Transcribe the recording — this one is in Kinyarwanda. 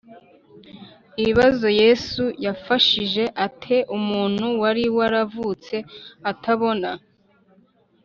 Ibibazo yesu yafashije ate umuntu wari waravutse atabona